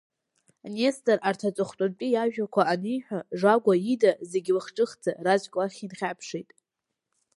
Нестор арҭ аҵыхәтәантәи иажәақәа аниҳәа, Жагәа ида, зегь лахҿыхӡа, раӡәк лахь инхьаԥшит.